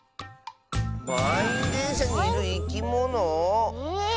まんいんでんしゃにいるいきもの？え？